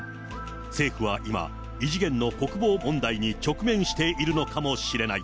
政府は今、異次元の国防問題に直面しているのかもしれない。